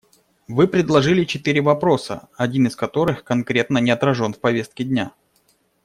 Вы предложили четыре вопроса, один из которых конкретно не отражен в повестке дня.